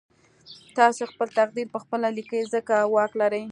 تاسې خپل تقدير پخپله ليکئ ځکه واک لرئ.